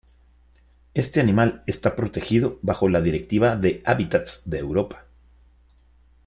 Este animal está protegido bajo la Directiva de Hábitats de Europa.